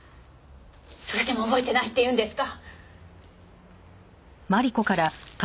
それでも覚えてないって言うんですか？